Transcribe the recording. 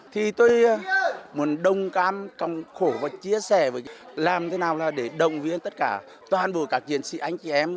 thì tôi muốn đồng cảm công khổ và chia sẻ làm thế nào để đồng viên tất cả toàn bộ các chiến sĩ anh chị em